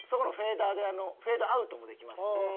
フェーダーでフェードアウトもできます。